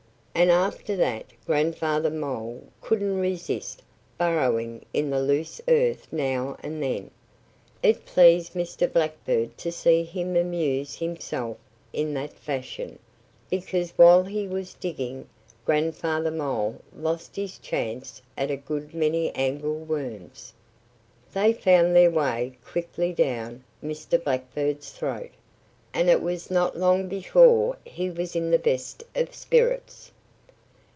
And after that Grandfather Mole couldn't resist burrowing in the loose earth now and then. It pleased Mr. Blackbird to see him amuse himself in that fashion, because while he was digging Grandfather Mole lost his chance at a good many angleworms. They found their way quickly down Mr. Blackbird's throat. And it was not long before he was in the best of spirits.